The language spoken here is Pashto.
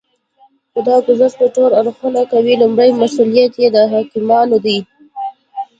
خو دا ګذشت به ټول اړخونه کوي. لومړی مسئوليت یې د حاکمانو دی